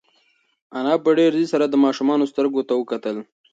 انا په ډېر ځير سره د ماشوم سترګو ته وکتل.